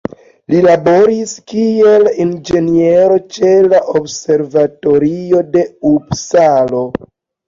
Li laboris kiel inĝeniero ĉe la Observatorio de Upsalo.